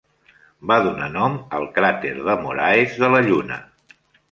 Va donar nom al cràter De Moraes de la Lluna.